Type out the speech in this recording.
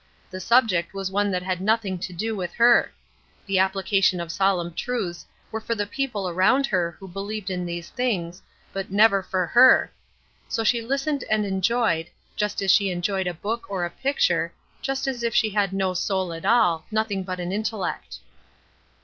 The subject was one that had nothing to do with her; the application of solemn truths were for the people around her who believed in these things, but never for her; so she listened and enjoyed, just as she enjoyed a book or a picture, just as if she had no soul at all, nothing but an intellect.